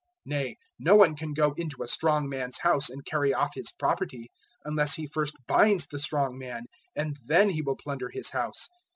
003:027 Nay, no one can go into a strong man's house and carry off his property, unless he first binds the strong man, and then he will plunder his house.